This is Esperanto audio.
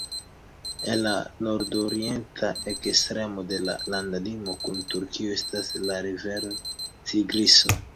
En la nordorienta ekstremo de la landlimo kun Turkio estas la rivero Tigriso.